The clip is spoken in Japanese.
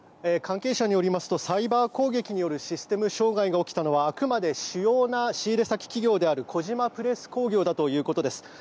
関係者によりますとサイバー攻撃によるシステム障害が起きたのはあくまで主要な仕入れ先企業である小島プレス工業であるということです。